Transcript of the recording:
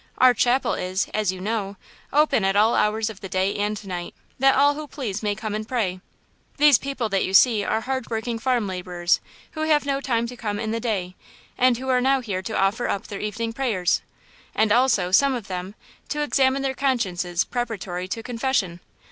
Our chapel is, as you know, open at all hours of the day and night, that all who please may come and pray. These people that you see are hard working farm laborers, who have no time to come in the day, and who are now here to offer up their evening prayers, and also, some of them, to examine their consciences preparatory to confession!